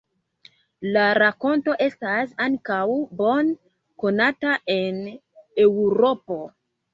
La rakonto estas ankaŭ bone konata en Eŭropo.